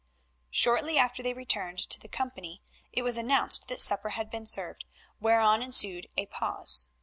Shortly after they returned to the company it was announced that supper had been served, whereon ensued a pause.